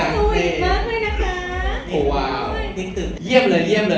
ดูอย่างน้ำหน้าครับ